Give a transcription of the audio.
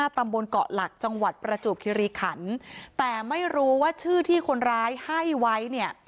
ตำบลเกาะหลักจังหวัดประจวบคิริขันแต่ไม่รู้ว่าชื่อที่คนร้ายให้ไว้เนี่ย